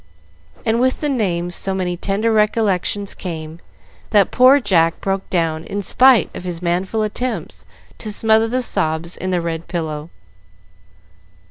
and with the name so many tender recollections came, that poor Jack broke down in spite of his manful attempts to smother the sobs in the red pillow.